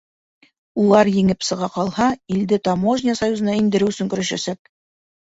Улар, еңеп сыға ҡалһа, илде Таможня союзына индереү өсөн көрәшәсәк.